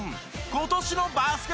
今年のバスケ☆